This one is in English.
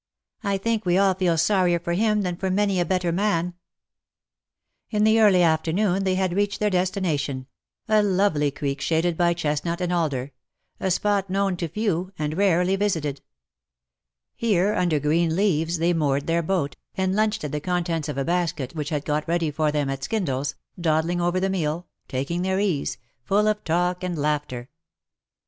I think we all feel sorrier for him than for many a better man/^ In the early afternoon they had reached their destination — a lovely creek shaded by chestnut and alder — a spot known to few, and rarely visited. Here, under green leaves, they moored their boat, and lunched on the contents of a basket which had been got ready for them at Skindle's — dawdling over the meal — taking their ease — full of talk and laughter.